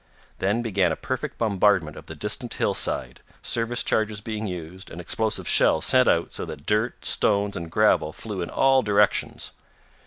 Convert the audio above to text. Then began a perfect bombardment of the distant hillside, service charges being used, and explosive shells sent out so that dirt, stones and gravel flew in all directions.